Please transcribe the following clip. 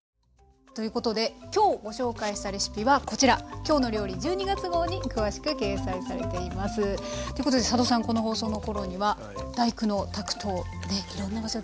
ということで今日ご紹介したレシピはこちら「きょうの料理」１２月号に詳しく掲載されています。ということで佐渡さんこの放送の頃には「第九」のタクトをいろんな場所で。